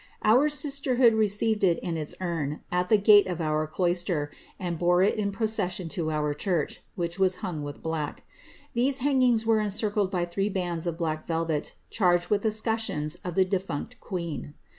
Our sisterhood received it in its urn, at the gate of our cloister, and bore it in procession to our church, which was hung with black ; these hangings were encircled by three bands of black velvet charged with the escutcheons of the defunct queen.